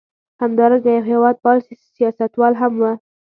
همدارنګه یو هېواد پال سیاستوال هم و.